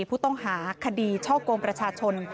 ผู้ต้องหาคดีช่อกงประชาชน